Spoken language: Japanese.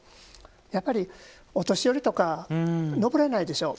やっぱりお年寄りとか登れないでしょう。